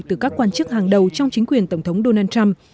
từ các quan chức hàng đầu trong chính quyền tổng thống donald trump